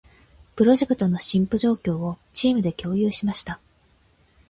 プロジェクトの進捗状況を、チームで共有しました。